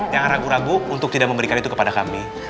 jangan ragu ragu untuk tidak memberikan itu kepada kami